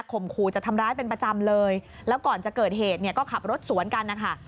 ขู่จะทำร้ายเป็นประจำเลยแล้วก่อนจะเกิดเหตุเนี่ยก็ขับรถสวนกันนะคะ